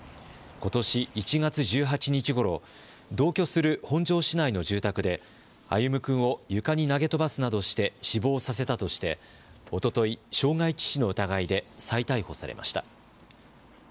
ことし１月１８日ごろ、同居する本庄市内の住宅で歩夢君を床に投げ飛ばすなどして死亡させたとしておととい、傷害致死の疑いで再逮捕されました。